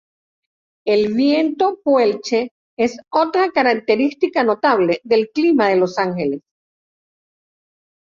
El viento Puelche es otra característica notable del clima de Los Ángeles.